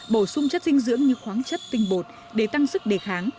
bổ sung chất dinh dưỡng như khoáng chất tinh bột để tăng sức đề kháng